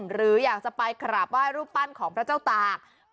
หรืออยากจะไปขราบว่ายรูปปั้นของพระเจ้าตากศิลป์